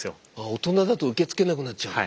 大人だと受け付けなくなっちゃうんだ。